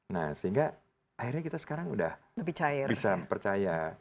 nah sehingga akhirnya kita sekarang udah bisa percaya